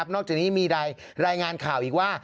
นอกจากนี้มีรายงานข่าวอีกว่า